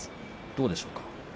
どうでしょうか。